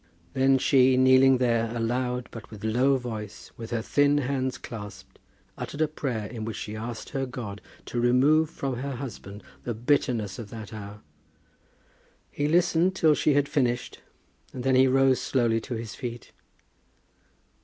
Then she kneeling there, aloud, but with low voice, with her thin hands clasped, uttered a prayer in which she asked her God to remove from her husband the bitterness of that hour. He listened till she had finished, and then he rose slowly to his feet.